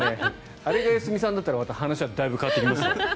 あれが良純さんだったら話はだいぶ変わってきますが。